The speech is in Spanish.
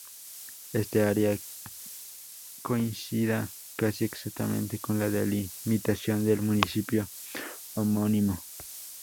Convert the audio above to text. Esta área coincida casi exactamente con la delimitación del municipio homónimo.